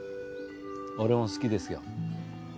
俺も好きですよ。